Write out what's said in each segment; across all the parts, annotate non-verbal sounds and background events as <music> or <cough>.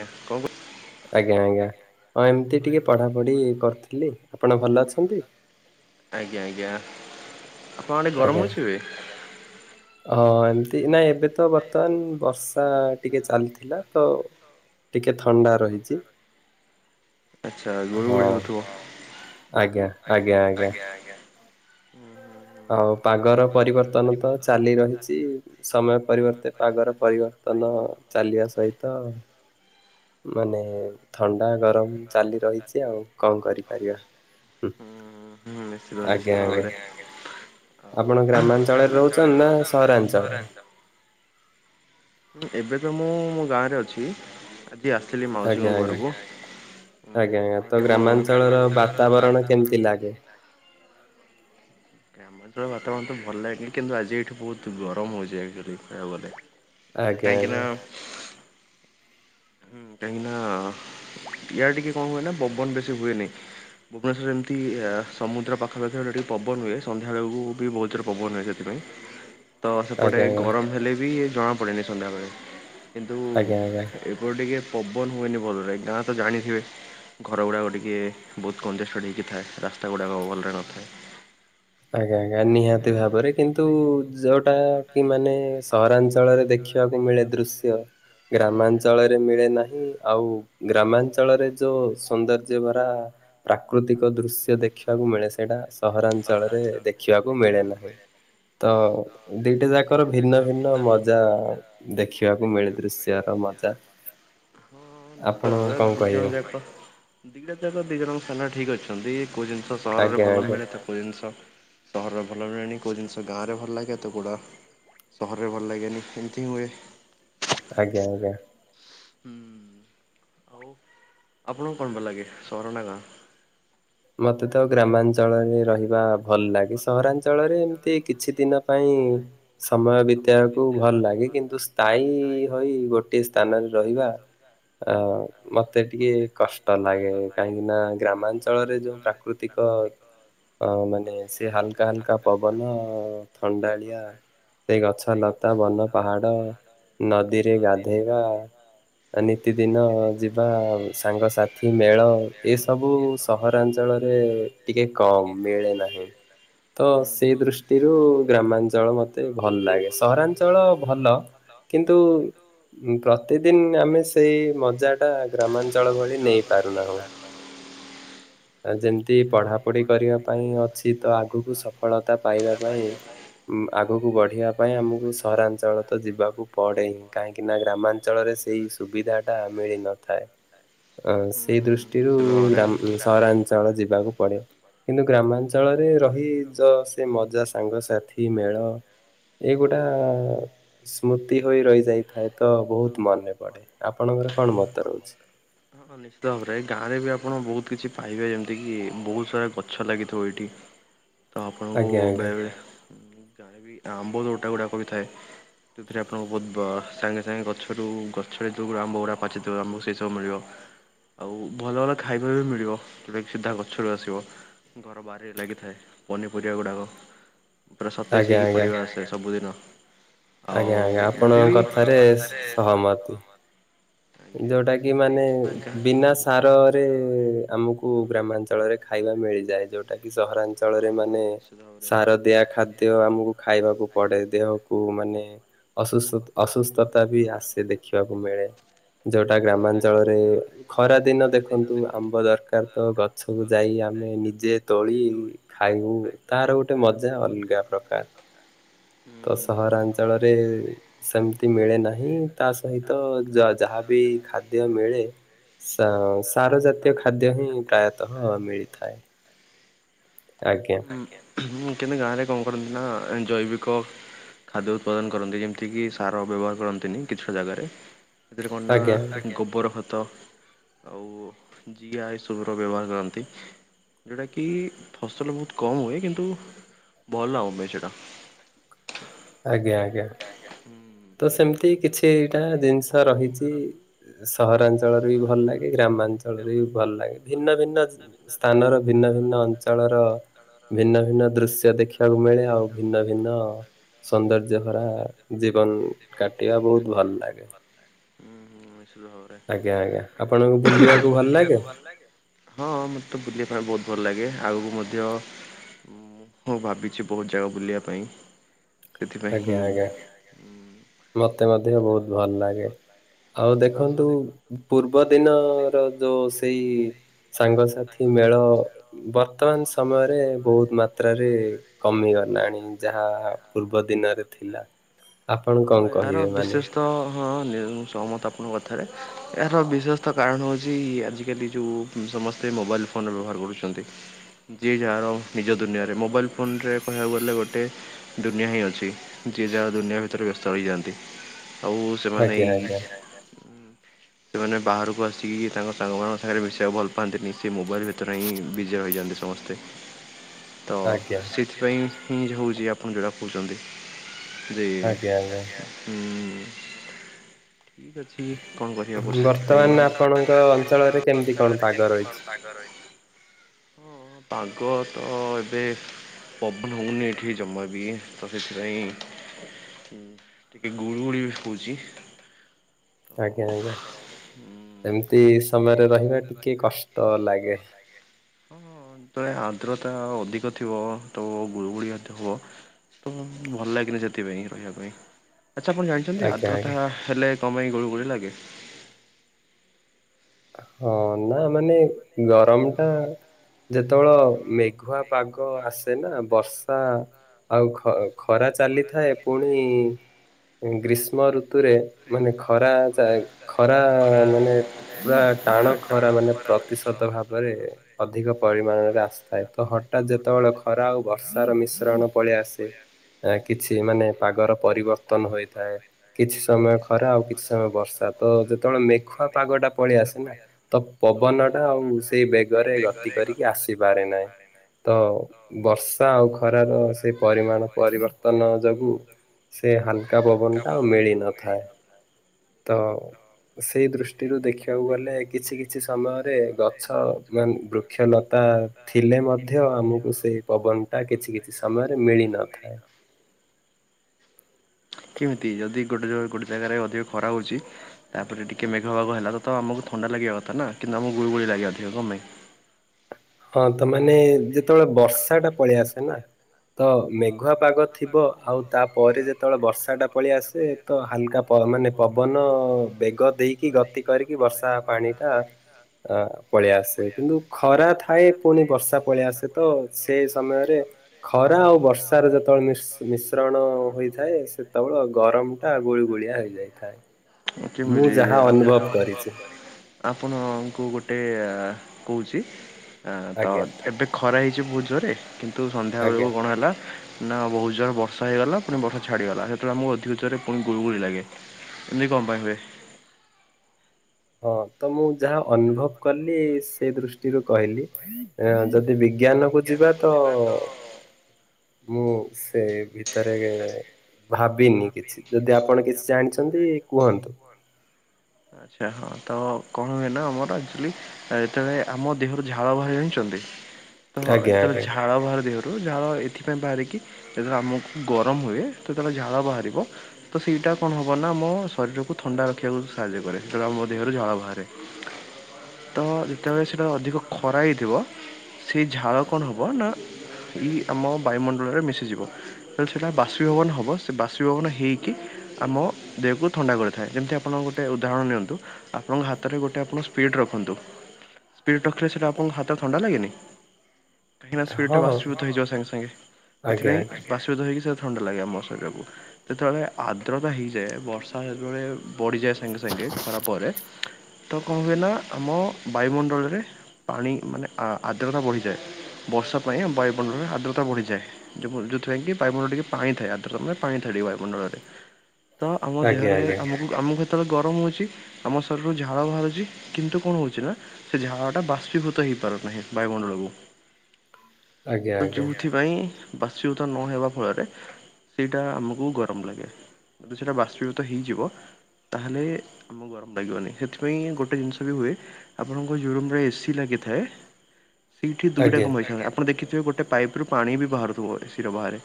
କଁ କରୁ ଆଜ୍ଞା ଆଜ୍ଞା ହଁ ଏମିତି ଟିକେ ପଢାପଢି କରୁଥିଲି ଆପଣ ଭଲ ଅଛନ୍ତି? ଆଜ୍ଞା ଆଜ୍ଞା ଆପଣ ଆଡ଼େ ଆଜ୍ଞା ଗରମ ହଉଚି ଏବେ? ହଁ ଏମିତି ନାଇ ଏବେତ ବର୍ତ୍ତମାନ ବର୍ଷା ଟିକେ ଚାଲିଥିଲା ତ ଟିକେ ଥଣ୍ଡା ରହିଚି। ଆଚ୍ଛା ଗୁଳୁଗୁଳି ହଉଥିବ? ଆଜ୍ଞା ଆଜ୍ଞା ଆଜ୍ଞା। ହୁଁ ହୁଁ ହୁଁ ଆଉ ପାଗର ପରିବର୍ତ୍ତନତ ଚାଲି ରହିଚି। ସମୟ ପରିବର୍ତ୍ତେ ପାଗର ପରିବର୍ତ୍ତନ ଚାଲିବା ସହିତ ମାନେ ଥଣ୍ଡା ଗରମ ଚାଲି ରହିଛି ଆଉ କଣ କରିପାରିବା। <inaudible> ହୁଁ ହୁଁ ଆଜ୍ଞା ଆଜ୍ଞା <unintelligible> ଆଉ ଆପଣ ଗ୍ରାମାଞ୍ଚଳରେ ରହୁଚନ୍ତି ନା ସହରାଞ୍ଚଳରେ? ହଁ ଏବେତ ମୁଁ ମୋ ଗାଁରେ ଅଛି ଆଜି ଆସଥିଲି ମାଉସୀଙ୍କ ଆଜ୍ଞା ଆଜ୍ଞା ଘରକୁ। ଉଁ ଆଜ୍ଞା ଆଜ୍ଞା ତ ଗ୍ରାମାଞ୍ଚଳର ବାତାବରଣ ଲାଗେ? କେମିତି? ଆମଞ୍ଚଳର ବାତାବରଣତ ଭଲ ଲାଗେ କିନ୍ତୁ ଆଜି ଏଇଠି ବହୁତ୍ ଗରମ ହଉଚି <unintelligible> କହିବାକୁ ଗଲେ। ଆଜ୍ଞା ଆଜ୍ଞା କାହିଁକିନା ହୁଁ କାହିଁକିନା ୟାଡେ ଟିକେ କଣ ହୁଏନା ବବନ ବେଶି ହୁଏନି? ଭୁବନେଶ୍ୱରରେ ଏମିତି ସମୁଦ୍ର ପାଖାପଖରେ ଗଲେ ଟିକେ ପବନ ହୁଏ ସନ୍ଧ୍ୟାବେଳକୁବି ବହୁତ୍ ଜୋରେ ପବନ ହୁଏ ସେଥିପାଇଁ। <inaudible> ତ ସେପଟେ ଆଜ୍ଞା ଆଜ୍ଞା ଗରମ ହେଲେବି ଜଣାପଡ଼େନି ସନ୍ଧ୍ୟାବେଳେ କିନ୍ତୁ ଆଜ୍ଞା ଆଜ୍ଞା। ଏପଟେ ଟିକେ ପବନ ହୁଏନି ଭଲରେ ଗାଁତ ଜାଣିଥିବେ? ଘର ଗୁଡ଼ାକ ଟିକିଏ ବହୁତ କଞ୍ଜେଷ୍ଟେଡ଼୍ ହୋଇକି ଥାଏ ରାସ୍ତା ଗୁଡ଼ାକ ଭଲରେ ନ ଥାଏ। ଆଜ୍ଞା ଆଜ୍ଞା ନିହାତି ହୁଁ। ଭାବରେ କିନ୍ତୁ ଯୋଉଟା କି ମାନେ ସହରାଞ୍ଚଳରେ ଦେଖି। <unintelligible> ମିଳେ ଦୃଶ୍ୟ। ଗ୍ରାମାଞ୍ଚଳରେ ମିଳେ ନାହିଁ ଆଉ ଗ୍ରାମାଞ୍ଚଳରେ ଯୋଉ ସୌନ୍ଦର୍ଯ୍ୟ ଭରା। ପ୍ରାକୃତିକ ଦୃଶ୍ୟ ଦେଖିବାକୁ ମିଳେ ସେଇଟା ସହରାଞ୍ଚଳରେ ଦେଖିବାକୁ ମିଳେ ନାହିଁ। ତ ଦିଟା ଯାକର ଭିନ୍ନ ଭିନ୍ନ ମଜା। ଦେଖିବାକୁ ମିଳେ ଦୃଶ୍ୟ ର ମଜା। <inaudible> ଆପଣ <inaudible> କଣ କହିବେ? ସ୍ଥାନରେ ଠିକ୍ ଅଛନ୍ତି। କୋଉ ଜିନିଷ ସହରରେ ଆଜ୍ଞା ଭଲ ଆଜ୍ଞା। ମିଳେ ତ କୋଉ ଜିନିଷ। ସହରରେ ଭଲ ରୁହେଣି କେଉଁ ଜିନିଷ ଗାଁରେ ଭଲ ଲାଗେ ତ କୋଉଟା। ସହରରେ ଭଲ ଲାଗେନି କେମିତି ହୁଏ। ଆଜ୍ଞା ଆଜ୍ଞା। ଆପଣଙ୍କୁ କଣ ଭଲ ଲାଗେ ସହର ନା ଗାଁ? ମତେ ତ ଗ୍ରାମାଞ୍ଚଳରେ ରହିବା ଭଲ ଲାଗେ ସହରାଞ୍ଚଳରେ ଏମିତି କିଛି ଦିନ ପାଇଁ। ସମୟ ବିିତ। ଭଲ ଲାଗେ କିନ୍ତୁ ସ୍ଥାୟୀ ହୋଇ ଗୋଟିଏ ସ୍ଥାନରେ ରହିବା। ଆ ମତେ ଟିକେ କଷ୍ଟ ଲାଗେ କାହିଁକି ନା ଗ୍ରାମାଞ୍ଚଳରେ ଯ। ପ୍ରାକୃତିକ। ଅ ମାନେ ସେ ହାଲକା ହାଲକା ପବନ ଥଣ୍ଡାଳିଆ। ସେଇ ଗଛ ଲତା ବନ ପାହାଡ ନଦୀରେ ଗାଧେଇବା। ନିତିଦିନ ଯିବା ସାଙ୍ଗସାଥି ମେଳ ଏସବୁ ସହ। ସହରାଞ୍ଚଳରେ ଟିକେ କମ୍ ମିଳେ ନାହିଁ। ତ ହୁଁ ସେଇ ହୁଁ। ଦୃଷ୍ଟିରୁ ଗ୍ରାମାଞ୍ଚଳ ମତେ ଭଲ ଲାଗେ। ସହରାଞ୍ଚଳ ଭଲ କିନ୍ତୁ। ପ୍ରତିଦିନ ଆମେ ସେଇ ମଜାଟା ଗ୍ରାମାଞ୍ଚଳ ଭଳି ନେଇ ପାରୁନାହୁଁ। ଯେମିତି ପଢାପଢି କରିବା ପାଇଁ ଅଛି ତ ଆଗକୁ ସଫଳତା ପାଇବା ପାଇଁ। ଉଁ ଆଗକୁ ବଢିବା। ସେଥିପାଇଁ ଆମକୁ ସହରାଞ୍ଚଳ ତ ଯିବାକୁ ପଡ଼େ କାହିଁକିନା ଗ୍ରାମାଞ୍ଚଳରେ ସେଇ। ସୁବିଧାଟା ମିଳିନଥାଏ। <inaudible> ଅ ସେଇ ହୁଁ ଦୃଷ୍ଟିରୁ ନିଶ୍ଚିତ ଭାବରେ। ଗ୍ରା ସହରାଞ୍ଚଳ ଯିବାକୁ ପଡେ। କିନ୍ତୁ ଗ୍ରାମାଞ୍ଚଳରେ ରହି ଯ ସେ ମଜା ସାଙ୍ଗସାଥି ମେଳ। ଏଗୁଡ଼ା ସ୍ମୃତି ହୋଇ ରହିଯାଇଥାଏ ତ ବହୁତ୍ ମନେ ପଡ଼େ। ଆପଣଙ୍କର କଣ ମତ ରହୁଛି? ହଁଁ ନିଶ୍ଚିତ ଭାବରେ ଗାଁରେ ବି ଆପଣ ବହୁତ୍ କିଛି ପାଇବେ ଯେମିତିକି ବହୁତ ସାରା ଗଛ ଲାଗିଥିବ ଏଠି। ତ ଆପଣଙ୍କୁ ଆଜ୍ଞା ଆଜ୍ଞା ବେଳେବେଳେ ଯାଏ ବି ଆମ୍ବ ତୋଟା ଗୁଡାକ ବି ଥାଏ। ଯୋଉ ଥିରେ ଆପଣଙ୍କୁ ବହୁତ ସାଙ୍ଗେ ସାଙ୍ଗେ ଗଛରୁ ଗଛରେ ଯଉ ଆମ୍ବ ଗୁଡ଼ା। ପାଚିଥିବ ଆମକୁ ସେଇସବୁ ମିଳିବ। ଆଉ ଭଲ ଭଲ ଖାଇବା ବି ମିଳିବ ଯୋଉଟା କି ସିଧା ଗଛରୁୁ ଆସିବ। ଘର ବାରିରେ ଲାଗିଥାଏ ପନିପରିବା ଗୁଡ଼ାକ। ପୁରା ସତେଜ୍ ଆଜ୍ଞା ହେଇକି ଆଜ୍ଞା ପରିବା ଆସେ ସବୁଦିନ। ଆଉ ଆଜ୍ଞା ଆଜ୍ଞା ଏମିତି ଆପଣଙ୍କ ବି କଥାରେ ସ ସହମତ୍। ଆଜ୍ଞା ଯୋଉଟା ଆଜ୍ଞା କି ସେମିତି ମାନେ ଗାଁ ବିନା ସାରରେ ଆମକୁ। ଉ ଗ୍ରାମାଞ୍ଚଳରେ ଖାଇବା ମିଳିଯାଏ ଯୋଉଟା କି ସହରାଞ୍ଚଳ। ହଁ ଅଞ୍ଚଳରେ ହଁ ମାନେ ନିଶ୍ଚିତ ଭାବରେ ସାର ଦିଆ ଖାଦ୍ୟ ଆମକୁ ଖାଇବାକୁ ପଡେ ଦେହ ଉ ମାନେ ଅସୁସ୍ ଅସୁସ୍ଥତା ବି ଆସେ ଦେଖିବାକୁ ମିଳେ। ଯୋଉଟା ଗ୍ରାମାଞ୍ଚଳରେ ଖରା ଦିନ ଦେଖନ୍ତୁ ଆମ୍ବ ଦରକାର ତ ଗ ଛକୁ ଯାଇ ଆମେ ନିଜେ ତୋଳି ଖାଇବୁ ତାର ଗୋଟେ ମଜା ଅଲ୍ ଗା ପ୍ରକାର। ହୁଁ ତ ହୁଁ ହୁଁ। ସହରାଞ୍ଚଳରେ ସେମିତି ମିଳେ ନାହିଁ ତା ସହିତ ଯ ଯାହାବି ଖାଦ୍ୟ ମିଳେ ସ ସାର ଜାତୀୟ ଖାଦ୍ୟ ହିଁ ପ୍ରାୟତଃ ମିଳିଥାଏ। ଆଜ୍ଞା। ଉଁ କି ଗାଁ ରେ କଣ କର ଏନ୍ ଜୈବିକ ଖାଦ୍ୟ ଉତ୍ପାଦନ କରନ୍ତି ଯେମିତିକିି ସାର ବ୍ୟବହାର କରନ୍ତିନି କିଛିଟା ଜାଗାରେ ଏତି ରେ କନ୍ ନା ଆଜ୍ଞା ଗୋବର ଖ ତ ଆଉ ଜିଆ ଏସବୁର ବ୍ୟବହାର କରନ୍ତି। ଯୋଉଟା କି ଫସଲ ବହୁତ କମ ହୁଏ କିନ୍ତୁ ଭଲ ହଏ ସେଟା। ଆଜ୍ଞା ଆଜ୍ଞା। ହୁଁ ତ ସେମ୍ ତି କିଛି ଟା ଦିନଷ ରହିଛି ସହରାଞ୍ଚଳରେ ବି ଭଲ ଲାଗେ ଗ୍ରାମାଞ୍ଚଳରେ ବି ଭଲ ଲାଗେ ଭିନ୍ନ ଭିନ୍ନ ସ୍ଥାନର ଭିନ୍ନ-ଭିନ୍ନ ଅଞ୍ଚଳର ଭିନ୍ନ ଭିନ୍ନ ଦୃଶ୍ୟ ଦେଖିବାକୁ ମିଳେ ଆଉ ଭିନ୍ନ ଭିନ୍ନ ସୌନ୍ଦର୍ଯ୍ୟ ଭରା ଜୀବନ୍ କାଟିବା ବହୁତ୍ ଭଲ ଲାଗେ। ହୁଁ ହୁଁ ନିଶ୍ଚିତ ଭାବରେ। ଆଜ୍ଞା ଆଜ୍ଞା ଆପଣଙ୍କୁ ବୁଲିବା କୁ ଭଲ ଲାଗେ? ହଁ ମତେ ତ ବୁଲିବା କୁ ବହୁତ୍ ଭଲ ଲାଗେ ଆଉ ମଧ୍ୟ ମୁଁ ଭାବିଛି ବହୁ ଜାଗା ବୁଲିବା ପାଇଁ। ସେଥିପାଇଁ ଆଜ୍ଞା ଆଜ୍ଞା ହିଁ ମତେ ମଧ୍ୟ ବହୁତ୍ ଭଲ ଲାଗେ। ଆଉ ଦେଖନ୍ତୁ ପୂର୍ବ ଦିନର ଯୋଉ ସେଇ ସାଙ୍ଗସାଥି ମେଳ ବର୍ତ୍ତମାନ ସମୟରେ ବହୁତ୍ ମାତ୍ରାରେ କମିଗଲାଣି ଯାହା ପୂର୍ବ ଦିନରେ ଥିଲା। ଆପଣ କଣ କହିବେ ମାନେ ତ ହଁଲେ। ଣୁ ସହମତ ଆପଣଙ୍କ କଥାରେ ଏହାର ବିଶେଷତଃ କାରଣ ହେଉଛି ଆଜିକାଲି ଯୋଉ ସମସ୍ତେ ମୋବାଇଲ୍ ଫୋନ ବ୍ୟବହାର କରୁଛନ୍ତି। ଯିଏ ଯାହାର ନିଜ ଦୁନିଆରେ ମୋବାଇଲ ଫୋନ ରେ କହିବାକୁ ଗଲେ ଗୋଟେ ଦୁନିଆ ହିଁ ଅଛି ଯିଏ ଯାହା ଦୁନିଆ ଭି ଏଥରେ ବ୍ୟସ୍ଥ ହେଇ ଯାଆନ୍ତି ଆଉ ସେମାନେ ଆଜ୍ଞା ଏଇ ଆଜ୍ଞା ସେମାନେ ବାହାରକୁ ଆସିକି ତାଙ୍କ ସାଙ୍ଗମାନଙ୍କ ସାଙ୍ଗରେ ମିଶିବାକୁ ଭଲ ପାଆନ୍ତିନି ସେ ମୋବାଇଲ ଭିତରେ ହିଁ ବିଜି ହେଇଯାଆନ୍ତି ସମସ୍ତେ। ତ ଆଜ୍ଞା। ସେଥିପାଇଁ ହିଁ ହଉଛି ଆପଣ ଯୋଟା କହୁଛନ୍ତି ଯେ ଆଜ୍ଞା ଆଜ୍ଞା ହୁଁ। ଠିକ ଅଛି କଣ କରିହେବ ସେଥିପାଇଁ ବର୍ତ୍ତମାନ ଆପଣଙ୍କ ବର୍ତ୍ତମାନ ଆପଣଙ୍କ ଅଞ୍ଚଳରେ କେମିତି କଣ ଅଞ୍ଚଳରେ ପାଗ କେମତି ରହିଛି? କଣ ହ ପାଗ ତ ଏବେ ପବନ ହଉନି ଏଇଠି ଜମା ବି ତ ସେଥିପାଇ ଟିକେ ଗୁଳୁ ଗୁଳି ବି ହଉଛି। ତ ଆଜ୍ଞା ହଁ ଆଜ୍ଞା ଏମିତି ସମୟରେ ରହିବା ଟିକେ କଷ୍ଟ ଲାଗେ। ହଁ ତ ଏ ଆଦ୍ରତା ଅଧିକ ଥିବ ତ ଗୁଳୁଗୁଳି ମଧ୍ୟ ହବ। ତ ଭଲ ଲାଗେନି ସେଥିପାଇଁ ରହିବା ପାଇଁ ଆଚ୍ଛା ଆପଣ ଜାଣି ଚନ୍ତି ଆଜ୍ଞା ଆଜ୍ଞା। ଆଦ୍ରତା ହେଲେ କ ପାଇଁ ଗୁଳୁ ଗୁଳି ଲାଗେ? ହଁ ନା ମାନେ ଗରମ ଟା ଯେତେବେଳ ମେଘୁଆ ପାଗ ଆସେ ନା ବର୍ଷା ଆଉ ଖ ଖରା ଚାଲିଥାଏ ପୁଣି ଗ୍ରୀଷ୍ମ ଋତୁରେ ମାନେ ଖରା ଯାଏ ଖରା ମାନେ ପୁରା ଟାଣ ଖରା ମାନେ ପ୍ରତିଶତ ଭାବରେ ଅଧିକ ପରିମାଣରେ ଆସିଥାଏ ତ ହଠାତ୍ ଯେତେବେଳେ ଖରା ଆଉ ବର୍ଷାର ମିଶ୍ରଣ ପଳେଇ ଆସେ ଏ କିଛି ମାନେ ପାଗର ପରିବର୍ତ୍ତନ ହୋଇଥାଏ। କିଛି ସମୟ ଖରା ଆଉ କିଛି ସମୟ ବର୍ଷା ତ ଯେତେବେଳେ ମେଘୁଆ ପାଗଟା ପଳେଇ ଆସେ ନା ତ ପବନ ଟା ଆଉ ସେଇ ବେଗରେ ଗତି କରିକି ଆସିପାରେ ନାଇ। ତ ବର୍ଷା ଆଉ ଖରାର ସେ ପରିମାଣ ପରିବର୍ତ୍ତନ ଯୋଗୁ ସେ ହାଲକା ପବନଟା ଆଉ ମିଳି ନଥାଏ। ତ ସେଇ ଦୃଷ୍ଟିରୁ ଦେଖିବାକୁ ଗଲେ କିଛି କିଛି ସମୟରେ ଗ ଛ ମାନେ ବୃକ୍ଷଲତା ଥିଲେ ମଧ୍ୟ ଆମକୁ ସେ ପବନଟା କିଛି କିଛି ସମୟରେ ମିଳି ନଥାଏ। କିମିତି ଯଦି ଗୋଟେ ଗୋଟେ ଜାଗାରେ ଅଧିକ ଖରା ହଉଛି ତାପରେ ଟିକେ ମେଘ ପାଗ ହେଲା ତ ଆମକୁ ଥଣ୍ଡା ଲାଗିବା କଥା ନା କିନ୍ତୁ ଆମକୁ ଗୁଳିଗୁଳି ଲାଗେ ଅଧିକ କଣ ପାଇଁ? ହଁ ତା ମାନେ ଯେତେବେଳେ ବର୍ଷା ଟା ପଳେଇଆସେ ନା। ତ ମେଘୁଆ ପାଗ ଥିବ ଆଉ ତାପରେ ଯେତେବେଳେ ବର୍ଷା ଟା ପଳେଇ ଆସେ ତ ହାଲକା ପ ମାନେ ପବନ ବେଗ ଦେଇକି ଗତି କରିକି ବର୍ଷା ପାଣି ଟା ଅ ପଳେଇଆସେ କିନ୍ତୁ ଖରା ଥାଏ ପୁଣି ବର୍ଷା ପଳେଇ ଆସେ ତ ସେ ସମୟରେ ଖରା ଆଉ ବର୍ଷାର ଯ ଯେତେବେଳେ ମିଶ୍ ମିଶ୍ରଣ ହୋଇଥାଏ ସେତେବେଳେ ଗରମ ଟା ଗୁଳ ଗୁଳିଆ ହେଇଯାଇଥାଏ। କେମିତି ଆଉ ଯାହା ଅନୁଭବ କରି ଆପଣ ଙ୍କୁ ଗୋଟେ ଅ କହୁଛି ଅ ତ ଆଜ୍ଞା ଏବେ ଖରା ହେଇଛି ବହୁତ ଯୋରେ କିନ୍ତୁ ଆଜ୍ଞା। ସନ୍ଧ୍ୟାବେଳକୁ କଣ ହେଲା ନା ବହୁତ ଜୋର ବର୍ଷା ହେଇଗଲା ପୁଣି ବର୍ଷା ଛାଡିଗଲା ସେତେବେଳେ ଆମକୁ ଅଧିକ ଜୋରେ ପୁଣି ଗୁଳ ଗୁଳି ଲାଗେ। କ ପାଇ ହୁଏ? ହଁ ତ ମୁଁ ଯାହା ଅନୁଭବ କଲି ସେ ଦୃଷ୍ଟିରୁ କହିଲି ଅ ଯଦି ବି ଜ୍ଞାନକୁ ଯିବା ତ ମୁଁ ସେ ଭିତରେ ଭାବିନି କିଛି ଯଦି ଆପଣ କିଛି ଜାଣିଛନ୍ତି କୁହନ୍ତୁ? ଆଚ୍ଛା ହଁ ତ କଣ ହୁଏନା ଆମର ଏକ୍କୁଆଲି ଯେତେବେଳେ ଆମ ଦେହରୁ ଝାଳ ବାହାରେ ଜାଣିଛନ୍ତି ତ ଆଜ୍ଞା ଯେତେବେଳେ ଆଜ୍ଞା ଝାଳ ବାହାରେ ଦେହ ଝାଳ ଏଥି ପାଇଁ ବାହାରେ କି ଯେତେ ବେଳେ ଆମ କୁ ଗରମ ହୁଏ ତ ଝାଳ ବାହାରିବ ତ ସେଇଟା କଣ ହବ ନା ମୋ ଶରୀରକୁ ଥଣ୍ଡା ରଖିଆ କୁ ସାହାଯ୍ୟ କରେ ସେତେ ବେଳେ ମୋ ଦେହରୁ ଝାଳ ବାହାରେ। ତ ଯେତେବେଳେ ସେଟା ଅଧିକ ଖରା ହେଇଥିବ ସେ ଝାଳ କଣ ହବ ନା ଇ ଆମ ବାୟୁମଣ୍ଡଳରେ ମିଶିଯିବ ତାଲେ ସେଟା ବାସ୍ପିଭବନ ହବ ସେ ବାସ ଭବନ ହେଇକି ଆମ ଦେହକୁ ଥଣ୍ଡା କରିଥାଏ ଯେମିତି ଆପଣ ଗୋଟେ ଉଦାହରଣ ନିଅନ୍ତୁ। ଆପଣଙ୍କ ହାତରେ ଗୋଟେ ଆପଣ ସ୍ପିଡ଼୍ ରଖନ୍ତୁ। ସ୍ପିରିଟ ରଖିଲେ ସେଟା ଆପଣଙ୍କ ହାତ ଥଣ୍ଡା ଲାଗେନି। କାହିଁକିନା ସ୍ପିଟା ହଁ ବାସ୍ପି ଭୁତ ହେଇଜିବ ସାଙ୍ଗେ ସାଙ୍ଗେ ଆଜ୍ଞା ସେଥିପାଇଁ ବା ଆଜ୍ଞା ବାଷ୍ପୀଭୂତ ହେଇକି ସେ ଥଣ୍ଡା ଲାଗେ ଆମ ଶରୀର କୁ। ଯେତେବେଳେ ଆଦ୍ରତା ହେଇଯାଏ ବର୍ଷା ଯେତେବେଳେ ବଢ଼ିଯାଏ ସାଙ୍ଗେ ସାଙ୍ଗେ ଖରା ପରେ ତ କଣ କହିଲ ଆମ ବାୟୁମଣ୍ଡଳରେ? ପାଣି ମାନେ ଆର୍ଦ୍ରତା ବଢ଼ିଯାଏ ବର୍ଷା ପାଇଁ ବାୟୁବଣ୍ଡରେ ଆର୍ଦ୍ରତା ବଢ଼ିଯାଏ। ଯୋଉଥି ପାଇଁ କି ପାଇପ୍ ମୁହଁରେ ଟିକେ ପାଣି ଥାଏ ଆଦ୍ରତା ପାଣି ବାୟୁମଣ୍ଡଳରେ ତ ଆମ ଆଜ୍ଞା ଦେହରେ ଆଜ୍ଞା। ଆମକୁ ଆମକୁ ଯେତେବେଳେ ଗରମ ହଉଛି। ଆମ ଶରୀରରୁ ଝାଳ ବାହାରୁଛି କିନ୍ତୁ କଣ ହଉଛି ନା ସେ ଝାହା ଟା ବାଷ୍ପିଭୂତ ହେଇପାରୁ ନାହିଁ ବାୟୁମଣ୍ଡଳକୁ। ଆଜ୍ଞା ତ ଆଜ୍ଞା ଯୋଉଥିପାଇଁ <inaudible> ନହେବା ଫଳରେ ସେଇଟା ଆମ ଗରମ ଲାଗେ ଯଦି ସେଇଟା ବାଷ୍ପୀଭୂତ ହେଇଯିବ। ତାହେଲେ ଆମକୁ ଗରମ ଲାଗିବନି ସେଥିପାଇଁ ଗୋଟେ ଜିନିଷ ବି ହୁଏ। ଆପଣଙ୍କ ରୁମ ରେ ଏସିି ଲାଗିଥାଏ। ସେଇଠି ଦୁଇଟା ଆଜ୍ଞା କାମେଇ ସେ ଆପଣ ଦେଖିଥିବେ ଗୋଟେ ପାଇପ୍ ରୁ ପାଣି ବି ବାହାରୁଥିବ ଏସିି ର ବାହାରେ।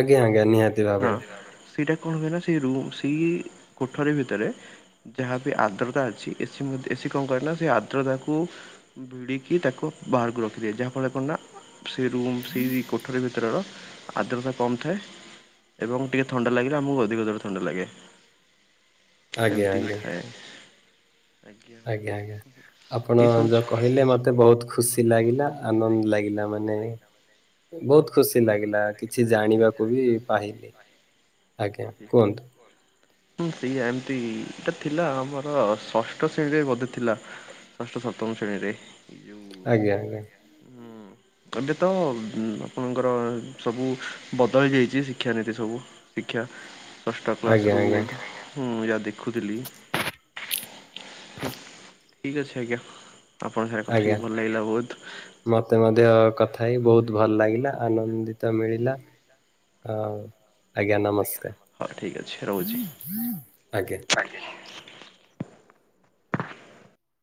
ଆଜ୍ଞା ଆଜ୍ଞା ନିହାତି। ହଁ ଭାବରେ ସେଇଟା କଣ ହୁଏ ନା ସେଇ ରୁ ସେଇ କୋଠରୀ ଭିତରେ ଯାହା ବିି ଆର୍ଦ୍ରତା ଅଛି ଏସିି ମଧ୍ୟ ଏସିି କରେ ନା ସେ ଆର୍ଦ୍ରତାକୁ ଭିଡିକି ତାକୁ ବାହାର କୁ ରଖିଦିଏ ଯାହା ଫଳରେ କ ନା ସେ ରୁମ୍ ସେହି କୋଠରୀ ଭିତର ର ଆଦ୍ରତା କମ୍ ଥାଏ। ଏବଂ ଟିକେ ଥଣ୍ଡା ଲାଗିଲେ ଆମକୁ ଅଧିକ ଜୋରେ ଥଣ୍ଡା ଲାଗେ। ଆଜ୍ଞା ଏମିତି ଆଜ୍ଞା ହେଇଥାଏ। ଆଜ୍ଞା ଆଜ୍ଞା ଆପଣ ଯୋଉ କହିଲେ ମତେ ବହୁତ ଖୁସି ଲାଗିଲା ଆନନ୍ଦ ଲାଗିଲା ମାନେ ବହୁତ ଖୁସି ଲାଗିଲା। କିଛି ହୁଁ ଜାଣିବାକୁ ବି ପାହିଲି। ହିଁ ହିଁ ହିଁ। ହୁଁ ସେଇଆ ଏମିତି ଏଇଟା ଥିଲା ଆମର ଷଷ୍ଠ ଶ୍ରେଣୀରେ ବୋଧେ ଥିଲା। ଷଷ୍ଠ ସପ୍ତମ ଶ୍ରେଣୀରେ ଏଇ ଯୋଉ ଆଜ୍ଞା ଆଜ୍ଞା। ହୁଁ ଏବେ ତ ଆପଣଙ୍କର ସବୁ ବଦଳି ଯାଇଛି ଶିକ୍ଷାନୀତି ସବୁ। ଶିକ୍ଷା ଷଷ୍ଠ କ୍ଲାସ ଆଜ୍ଞା ରୁ ଆଜ୍ଞା ହୁଁ ଯାହା ଦେଖୁଥିଲି ହଁ ଠିକ୍ ଅଛି ଆଜ୍ଞା। ଆପଣଙ୍କ ସାଙ୍ଗ ରେ କଥା ଆଜ୍ଞା ହେଇକି ଭଲ ଲାଗିଲା ବହୁତ। ମତେ ମଧ୍ୟ କଥା ହେଇ ବହୁତ ଭଲ ଲାଗିଲା ଆନନ୍ଦିତ ମିଳିଲା। ହଁ ଆଜ୍ଞା ହଉ ଠିକ୍ ଅଛି ରହୁଛି। ନମସ୍କାର ଆଜ୍ଞା।